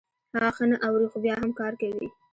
هغه ښه نه اوري خو بيا هم کار کوي.